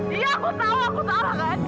iya aku tau aku salah kan